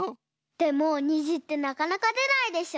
でもにじってなかなかでないでしょ？